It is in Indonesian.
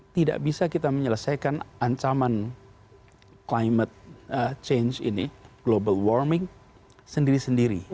tidak bisa kita menyelesaikan ancaman climate change ini global warming sendiri sendiri